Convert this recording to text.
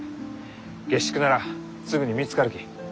下宿ならすぐに見つかるき。